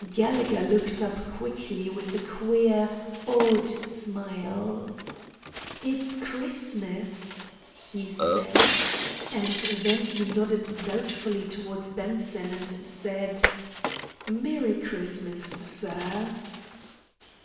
Gallegher looked up quickly with a queer, awed smile. "It's Christmas," he said, and then he nodded doubtfully towards Bronson and said, "Merry Christmas, sir."